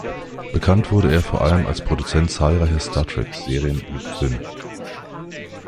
Bekannt wurde er vor allem als Produzent zahlreicher "Star-Trek"-Serien und -Filme.